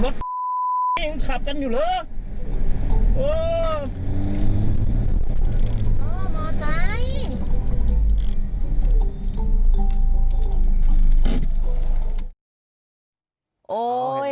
บักรถขับกันอยู่หรือโอ้โอ้มอตราย